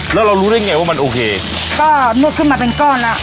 แล้วเรารู้ได้ไงว่ามันโอเคก็นวดขึ้นมาเป็นก้อนแล้ว